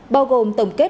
bao gồm tổng kết